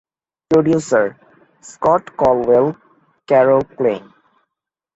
Producer: Scott Colwell, Carol Klein.